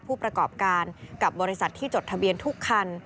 ผู้ประกอบการกับบริษัทที่จดทะเบียนทุกคัน